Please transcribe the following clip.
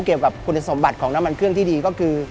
เกี่ยวกับคุณสมบัติของน้ำมันเครื่องที่ดีก็คือ